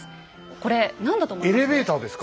これ何だと思いますか？